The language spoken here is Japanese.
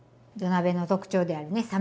土鍋の特徴であるね